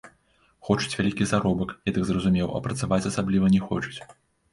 Хочуць вялікі заробак, я так зразумеў, а працаваць асабліва не хочуць.